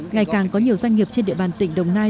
ngày càng có nhiều doanh nghiệp trên địa bàn tỉnh đồng nai